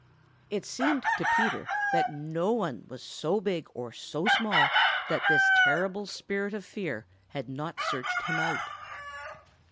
It seemed to Peter that no one was so big or so small that this terrible Spirit of Fear had not searched him out.